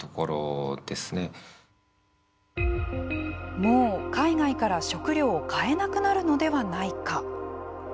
もう海外から食料を買えなくなるのではないか。